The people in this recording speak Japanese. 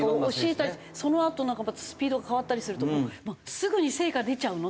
そのあとなんかまたスピードが変わったりするとすぐに成果出ちゃうの？